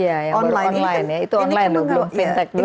ya yang baru online ya itu online loh